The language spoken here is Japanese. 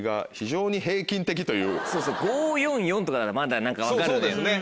５４４とかならまだ何か分かる。